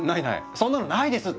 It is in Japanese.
そんなのないですって。